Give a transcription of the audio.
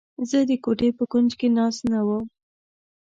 زه د کوټې په کونج کې ناست نه وم.